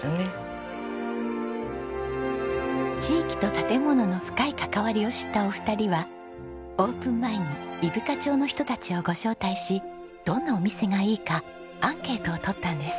地域と建物の深い関わりを知ったお二人はオープン前に伊深町の人たちをご招待しどんなお店がいいかアンケートを採ったんです。